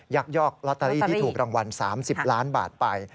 ักยอกลอตเตอรี่ที่ถูกรางวัล๓๐ล้านบาทไป